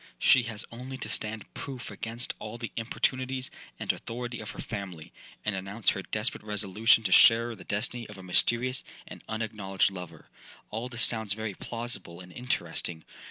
She has only to stand proof against all the importunities and authority of her family, and announce her desperate resolution to share the destiny of a mysterious and unacknowledged lover. All this sounds very plausible and interesting.